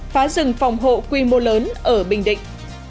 phá rừng phòng hộ quy mô lớn ở bình định